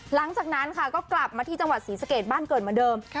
หลังจากนั้นค่ะก็กลับมาที่จังหวัดศรีสะเกดบ้านเกิดเหมือนเดิม